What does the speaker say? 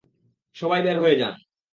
সবাই বের হয়ে যান।